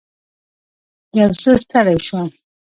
یو څه ستړې شوم.